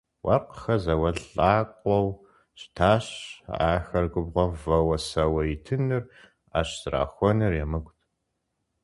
Уэркъхэр зауэлӀ лӀакъуэу щытащ, ахэр губгъуэм вэуэ-сэуэ итыныр, Ӏэщ зэрахуэныр емыкӀут.